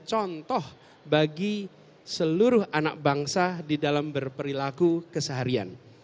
contoh bagi seluruh anak bangsa di dalam berperilaku keseharian